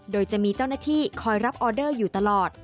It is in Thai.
โดยจะมีเจ้าหน้าที่คอยรับออเดอร์อยู่ตลอด